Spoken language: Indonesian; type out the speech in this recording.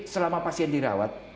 selama pasien dirawat